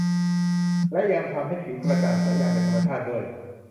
แล้วยังทำให้ผิวกระจ่างใสอย่างเป็นธรรมชาติด้วย